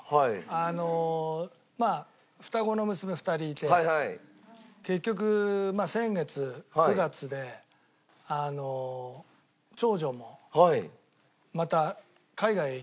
あのまあ双子の娘２人いて結局先月９月で長女もまた海外へ行ってしまいまして。